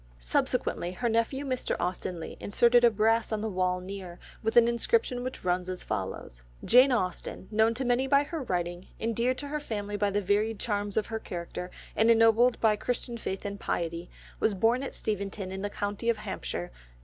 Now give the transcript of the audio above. Subsequently her nephew Mr. Austen Leigh inserted a brass on the wall near with an inscription which runs as follows: "Jane Austen, known to many by her writing, endeared to her family by the varied charms of her character, and ennobled by Christian faith and piety, was born at Steventon in the county of Hampshire Dec.